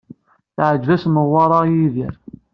Teɛǧeb-as Newwara i Yidir